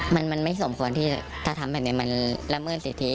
มันไม่สมควรที่ถ้าทำแบบนี้มันละเมิดสิทธิ